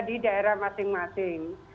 di daerah masing masing